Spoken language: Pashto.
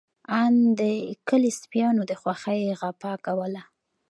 آن د کلي سپيانو د خوښۍ غپا کوله.